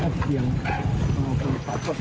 ตรงที่จุดที่เป็นถั่งน่ะครับ